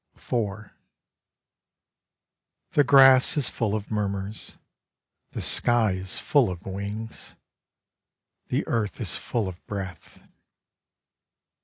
_) IV The grass is full of murmurs; The sky is full of wings; The earth is full of breath.